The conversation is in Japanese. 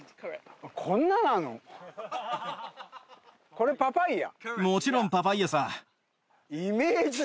これパパイア？